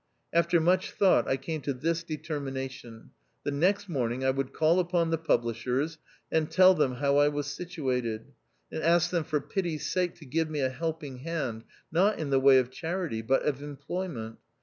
After much thought I came to this determi nation. The next morning I would call upon the publishers, and tell them how I was situated, and ask them for pity's sake to give me a helping hand, not in the way of charity, but of employment.